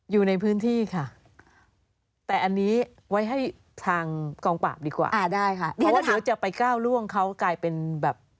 อยู่ในพื้นที่ค่ะแต่อันนี้ไว้ให้ทางกองปราบดีกว่าอ่าได้ค่ะเพราะว่าเดี๋ยวจะไปก้าวล่วงเขากลายเป็นแบบ